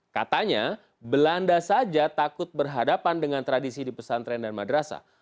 katanya belanda saja takut berhadapan dengan tradisi di pesantren dan madrasah